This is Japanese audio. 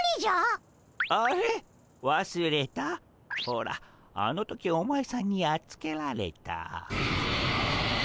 ほらあの時お前さんにやっつけられた。